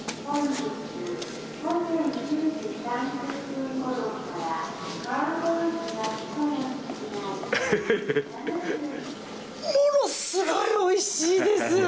ものすごいおいしいです！